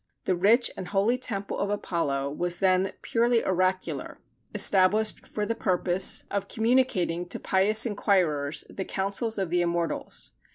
The rich and holy temple of Apollo was then purely oracular, established for the purpose of communicating to pious inquirers "the counsels of the Immortals."